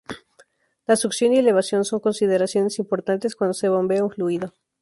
La succión y elevación son consideraciones importantes cuando se bombea un fluido.